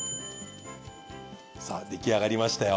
さぁ出来上がりましたよ。